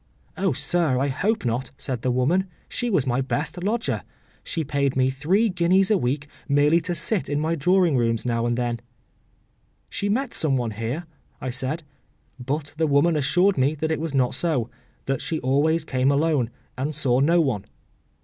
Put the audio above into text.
“Oh sir, I hope not!” said the woman; “she was my best lodger. She paid me three guineas a week merely to sit in my drawing rooms now and then.” “She met some one here?” I said; but the woman assured me that it was not so, that she always came alone, and saw no one.